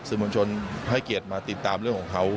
สื่อมนุมชนให้เกียจมาติดตามเรื่องของเขา